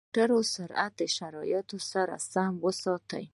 د موټرو سرعت د شرایطو سره سم وساتئ.